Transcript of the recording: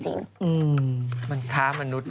อืมค้ามนุษย์เนี่ย